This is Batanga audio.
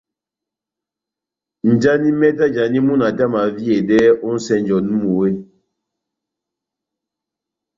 Njani mɛtɛ ajani múna tɛ́h amaviyedɛ ó nʼsɛnjɛ onu eeeh ?